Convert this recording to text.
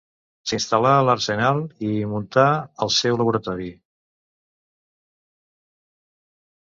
S'instal·là a l'arsenal i hi muntà el seu laboratori.